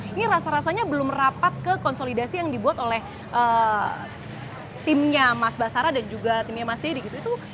ini rasa rasanya belum rapat ke konsolidasi yang dibuat oleh timnya mas basara dan juga timnya mas deddy gitu